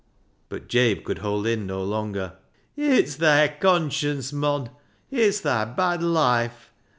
But Jabe could hold in no longer. " It's thi conscience, mon ; it's thi bad loife.